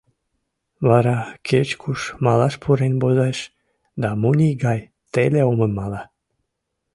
Вара кеч куш малаш пурен возеш да муний гай теле омым мала.